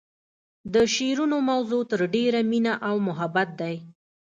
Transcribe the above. د شعرونو موضوع تر ډیره مینه او محبت دی